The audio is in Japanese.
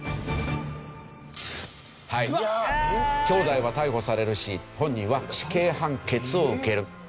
兄弟は逮捕されるし本人は死刑判決を受ける。